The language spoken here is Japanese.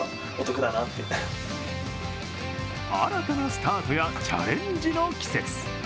新たなスタートやチャレンジの季節。